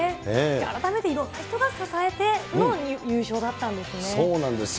改めて、いろんな人が支えての優そうなんですよ。